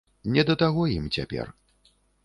Не да таго ім цяпер.